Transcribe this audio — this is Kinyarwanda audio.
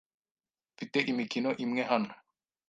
Mfite imikino imwe hano.